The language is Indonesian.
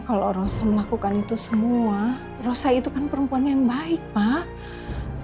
kalau rosa melakukan itu semua rosa itu kan perempuan yang baik pak